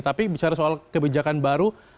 tapi bicara soal kebijakan baru